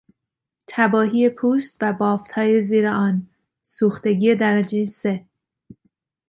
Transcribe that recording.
تباهی پوست و بافتهای زیر آن، سوختگی درجه سه